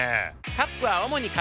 カップは主に紙。